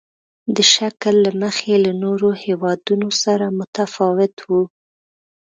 د شکل له مخې له نورو هېوادونو سره متفاوت وو.